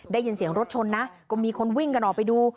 ได้ยินเสียงรถชนนะก็มีคนวิ่งกันออกไปดู